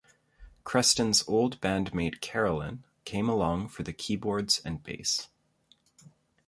Creston's old band mate Carolyn came along for the keyboards and bass.